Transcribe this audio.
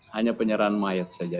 hanya penyerahan mayat saja